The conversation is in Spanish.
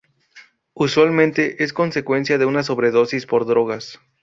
Usualmente es consecuencia de una sobredosis por drogas.